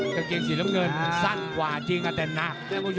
กระเกียงสีน้ำเงินสั้นกว่าจริงอ่ะแต่หนัก